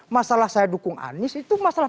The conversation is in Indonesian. masalah saya dukung anies itu masalah